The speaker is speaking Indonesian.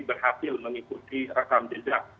berhasil mengikuti rekam jejak